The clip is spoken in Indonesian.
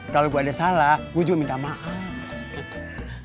kalau gue ada salah gue juga minta maaf gitu